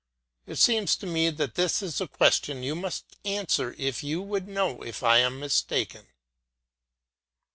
It seems to me that this is the question you must answer if you would know if I am mistaken.